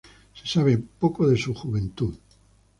Se sabe poco de su juventud.